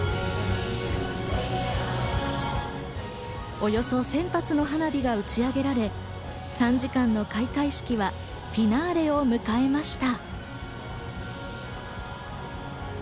およそ１０００発の花火が打ち上げられ、３時間の開会式はフィナーレを迎えました。